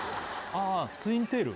ああツインテール？